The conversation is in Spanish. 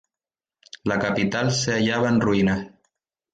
La capital se hallaba en ruinas.